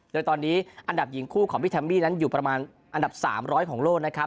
โดยตอนนี้อันดับหญิงคู่ของพี่แฮมมี่นั้นอยู่ประมาณอันดับ๓๐๐ของโลกนะครับ